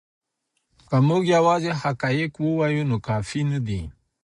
که موږ یوازې حقایق ووایو نو کافی نه دی.